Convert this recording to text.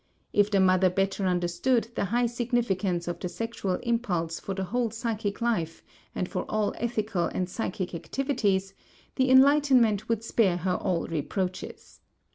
If the mother better understood the high significance of the sexual impulse for the whole psychic life and for all ethical and psychic activities, the enlightenment would spare her all reproaches.